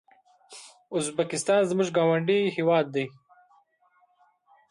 ازبکستان زموږ ګاونډی هيواد ده